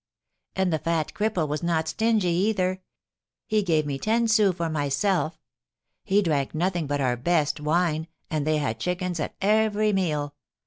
"And the fat cripple was not stingy, either. He gave me ten sous for myself. He drank nothing but our best wine, and they had chickens at every meal.